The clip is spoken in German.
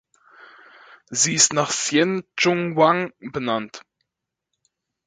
Sie ist nach Hsien Chung Wang benannt.